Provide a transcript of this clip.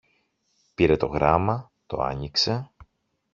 Πήρε το γράμμα, το άνοιξε